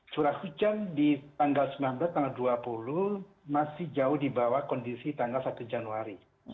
curah hujan di tanggal sembilan belas tanggal dua puluh masih jauh di bawah kondisi tanggal satu januari